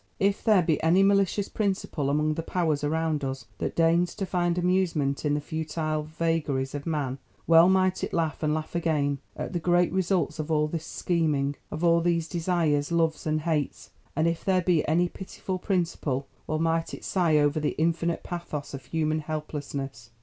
If there be any malicious Principle among the Powers around us that deigns to find amusement in the futile vagaries of man, well might it laugh, and laugh again, at the great results of all this scheming, of all these desires, loves and hates; and if there be any pitiful Principle, well might it sigh over the infinite pathos of human helplessness.